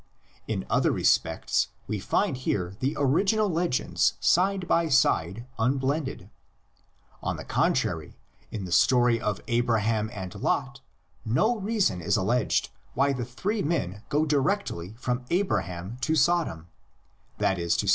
In other respects we find here the original legends side by side unblended. On the contrary, in the story of Abraham and Lot no reason is alleged why the three men go directly from Abraham to Sodom; that is to 82 THE LEGENDS OF GENESIS.